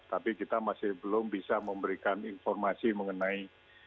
tapi kita bisa belum memberikan informasi mengenai